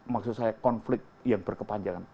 maksud saya konflik yang berkepanjangan